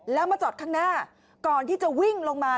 แล้วมาจอดข้างหน้าก่อนที่จะวิ่งลงมา